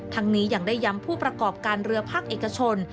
ทั้งนี้ยังได้ย้ำผู้ประกอบการเรือภาคเอกชน